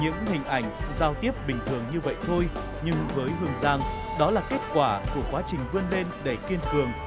những hình ảnh giao tiếp bình thường như vậy thôi nhưng với hương giang đó là kết quả của quá trình vươn lên đầy kiên cường